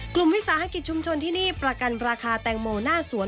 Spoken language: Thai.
วิสาหกิจชุมชนที่นี่ประกันราคาแตงโมหน้าสวน